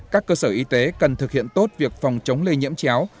các cơ sở y tế cần thực hiện tốt việc phòng chống lây nhiễm chéo